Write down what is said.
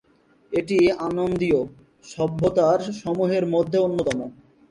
এটি আন্দীয় সভ্যতা সমূহের মধ্যে অন্যতম।